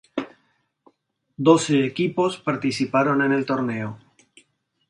Doce equipos participaron en el torneo.